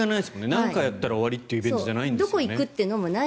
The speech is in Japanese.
何回やったら終わりというイベントじゃないですもんね。